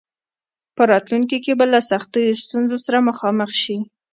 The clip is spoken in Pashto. په راتلونکي کې به له سختو ستونزو سره مخامخ شي.